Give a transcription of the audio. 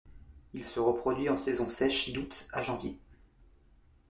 Il se reproduit en saison sèche d'août à janvier.